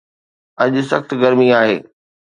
اڄ سخت گرمي آهي